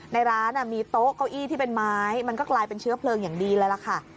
ในร้านมีโต๊ะเก้าอี้ที่เป็นไม้มันก็กลายเป็นเชื้อเพลิงอย่างดีเลยล่ะค่ะ